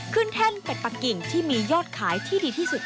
แท่นเป็ดปะกิ่งที่มียอดขายที่ดีที่สุด